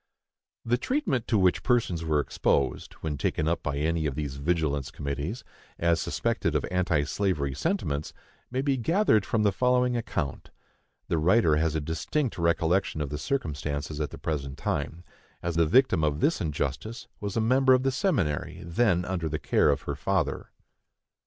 The treatment to which persons were exposed, when taken up by any of these vigilance committees, as suspected of anti slavery sentiments, may be gathered from the following account. The writer has a distinct recollection of the circumstances at the present time, as the victim of this injustice was a member of the seminary then under the care of her father.